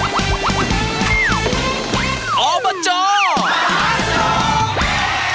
โปรดติดตามตอนต่อไป